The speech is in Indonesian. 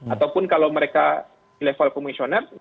ataupun kalau mereka di level komisioner